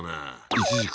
いちじく